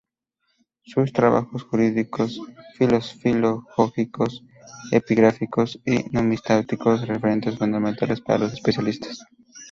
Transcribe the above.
Sus trabajos jurídicos, filológicos, epigráficos y numismáticos son referentes fundamentales para los especialistas.